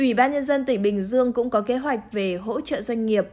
ủy ban nhân dân tỉnh bình dương cũng có kế hoạch về hỗ trợ doanh nghiệp